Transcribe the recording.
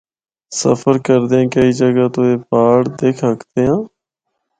سفر کردیاں کئی جگہ تو اے پہاڑ دکھ ہکدے ہاں۔